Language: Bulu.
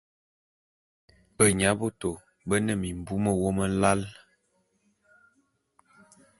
Benyabôtô bé ne mimbu mewôm lal.